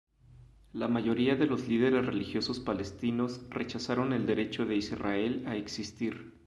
La mayoría de los líderes religiosos palestinos rechazaron el derecho de Israel a existir.